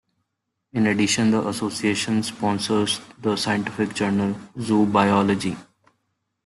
In addition, the association sponsors the scientific journal "Zoo Biology".